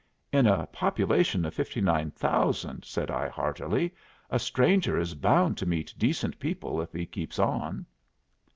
"In a population of fifty nine thousand," said I, heartily, "a stranger is bound to meet decent people if he keeps on."